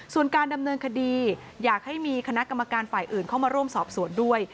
ส่วนการดำเนินคดีอยากให้มีคณะกรรมการฝ่ายอื่นเข้ามาร่วมสอบสวนด้วย